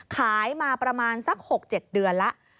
ขายมาประมาณสัก๖๗เดือนแล้ว